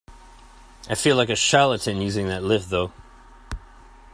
I feel like a charlatan using that lift though.